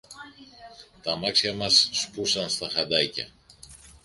τ' αμάξια μας σπούσαν στα χαντάκια.